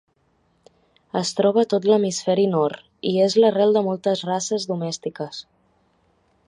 Es troba a tot l'hemisferi nord i és l'arrel de moltes races domèstiques.